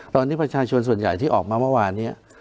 แต่ตอนนี้ประชาชนส่วนใหญ่ออกมานี้